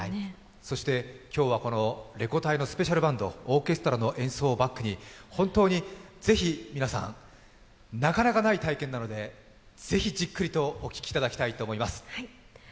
そして今日はこの「レコ大」のスペシャルバンド、オーケストラの演奏をバックに皆さん、なかなかない体験なので、ぜひじっくりとお聴きいただきたいと思います。